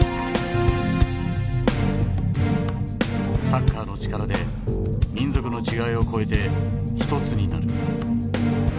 サッカーの力で民族の違いを超えて一つになる。